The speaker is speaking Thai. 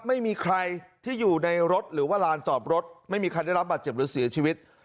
ไม่มีใครที่อยู่ในรถหรือว่าลานจอดรถไม่มีใครได้รับบาดเจ็บหรือเสียชีวิต